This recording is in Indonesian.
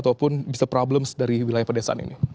ataupun bisa problems dari wilayah pedesaan ini